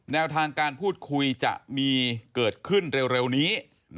แนวทางการพูดคุยจะมีเกิดขึ้นเร็วนี้